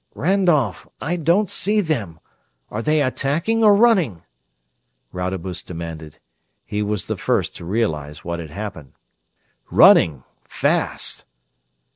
"Randolph! I don't see them! Are they attacking or running?" Rodebush demanded. He was the first to realize what had happened. "Running fast!"